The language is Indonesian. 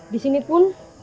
di sini pun